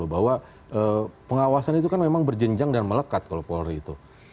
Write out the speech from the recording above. bahwa pengawasan itu kan memang berjenjang dan melekat kalau polri itu